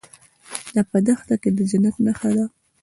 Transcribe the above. دا په دښته کې د جنت نښه ده.